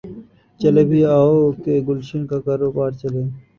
چلے بھی آؤ کہ گلشن کا کاروبار چلے